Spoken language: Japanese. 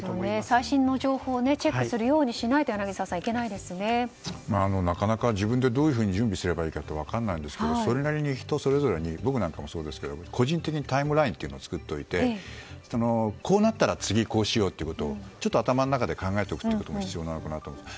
最新の情報をチェックするようにしないとなかなか自分でどういうふうに準備すればいいか分からないんですけどそれなりに人それぞれ僕もそうですが個人的にタイムラインを作っておいてこうなったら次はこうしようってちょっと頭の中で考えておくことが必要だと思います。